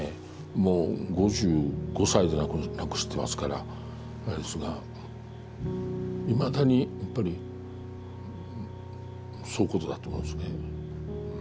もう５５歳で亡くしてますからあれですがいまだにやっぱりそういうことだと思うんですね。